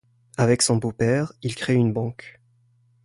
Avec son beau-père, il crée une banque.